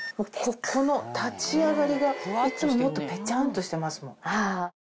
ここの立ち上がりがいつももっとペチャンとしてますもん。